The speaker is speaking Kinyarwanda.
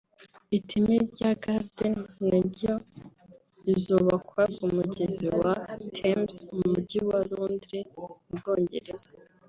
Iteme rya Garden naryo rizubakwa ku mugezi wa Thames mu Mujyi wa Londres mu Bwongereza